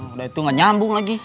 udah itu gak nyambung lagi